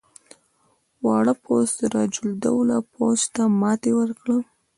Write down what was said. واړه پوځ سراج الدوله پوځ ته ماته ورکړه.